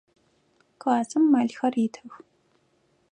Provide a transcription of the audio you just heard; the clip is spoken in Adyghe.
Классым мэлхэр итых.